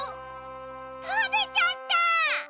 たべちゃった！